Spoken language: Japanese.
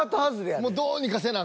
もうどうにかせなあ